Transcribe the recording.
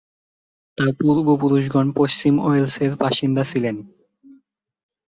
তার পূর্বপুরুষগণ পশ্চিম ওয়েলসের বাসিন্দা ছিলেন।